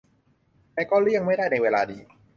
แต่ก็เลี่ยงไม่ได้ในเวลานี้